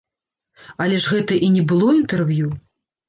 Але ж гэта і не было інтэрв'ю.